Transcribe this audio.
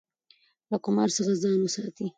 له قمار څخه ځان وساتئ.